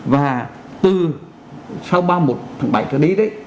và từ sau ba mươi một tháng bảy tới đây